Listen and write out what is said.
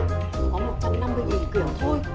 có một trăm năm mươi nghìn kiểu thôi